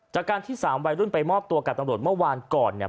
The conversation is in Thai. จากการที่สามวัยรุ่นไปมอบตัวกับตำรวจเมื่อวานก่อนเนี่ย